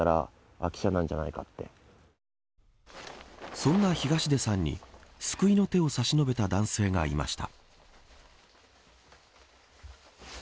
そんな東出さんに救いの手を差し伸べた男性がいました。